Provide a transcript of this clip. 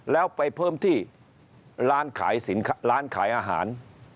แล้วไปเพิ่มที่ร้านขายสินค้าร้านขายอาหาร